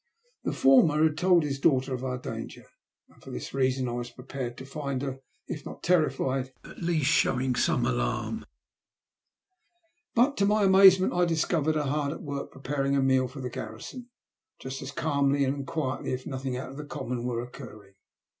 The former had told his daughter of our danger, and for this reason I was prepared to find her, if not terrified, at least showing some alarm. But to my amazement I discovered her hard at work preparing a meal for the garrison, just as calmly and quietly as if nothing out of the common wore occuring.